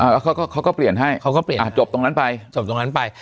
อ่าเขาก็เขาก็เขาก็เปลี่ยนให้เขาก็เปลี่ยนให้อ่าจบตรงนั้นไปจบตรงนั้นไป